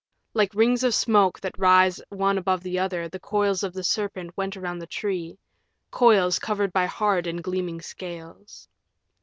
Like rings of smoke that rise one above the other, the coils of the serpent went around the tree coils covered by hard and gleaming scales.